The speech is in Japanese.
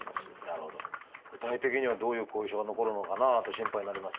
具体的にはどういう後遺症が残るのかなと心配になりますが。